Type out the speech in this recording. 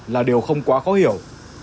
là điều không quá khó hiểu